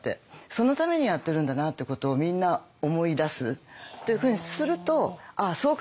そのためにやってるんだなってことをみんな思い出すというふうにするとああそうか！